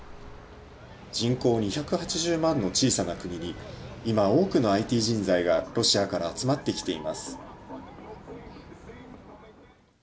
人口２８０万の小さな国に今、多くのＩＴ人材がロシアから集まってきています。